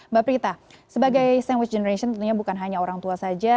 mbak prita sebagai sandwich generation tentunya bukan hanya orang tua saja